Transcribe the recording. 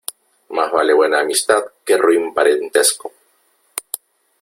Más vale buena amistad que ruin parentesco.